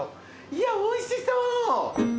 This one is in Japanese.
いやおいしそう。